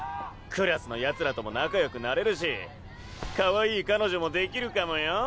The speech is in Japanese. クラスの奴らとも仲良くなれるし可愛い彼女もできるかもよ。